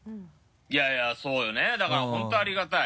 いやいやそうよねだから本当ありがたい。